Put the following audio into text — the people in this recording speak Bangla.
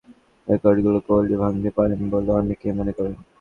তবে ওয়ানডেতে টেন্ডুলকারের রেকর্ডগুলো কোহলি ভাঙতে পারেন বলে অনেকেই মনে করেন।